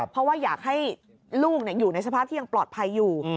เพราะว่าอยากให้ลูกอยู่ในสภาพที่ยังปลอดภัยอยู่